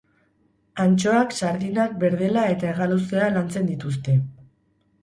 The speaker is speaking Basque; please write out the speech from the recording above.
Antxoak, sardinak, berdela eta hegaluzea lantzen dituzte.